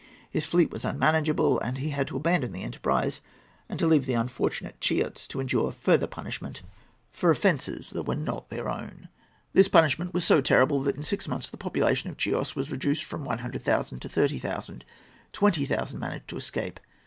His fleet was unmanageable, and he had to abandon the enterprise and to leave the unfortunate Chiots to endure further punishment for offences that were not their own. This punishment was so terrible that, in six months, the population of Chios was reduced from one hundred thousand to thirty thousand. Twenty thousand managed to escape.